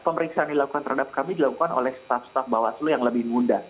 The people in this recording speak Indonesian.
pemeriksaan yang dilakukan terhadap kami dilakukan oleh staf staf bawaslu yang lebih muda